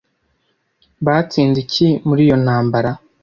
batsinze iki muri iyo ntambara